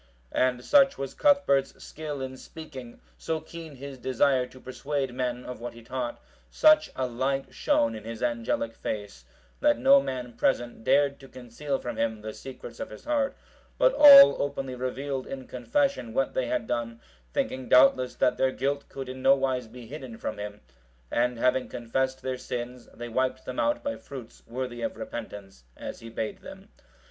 And such was Cuthbert's skill in speaking, so keen his desire to persuade men of what he taught, such a light shone in his angelic face, that no man present dared to conceal from him the secrets of his heart, but all openly revealed in confession what they had done, thinking doubtless that their guilt could in nowise be hidden from him; and having confessed their sins, they wiped them out by fruits worthy of repentance, as he bade them.